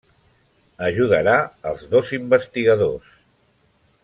Ajudarà els dos investigadors.